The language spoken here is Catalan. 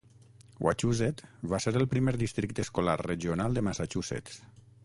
Wachusett va ser el primer districte escolar regional de Massachusetts.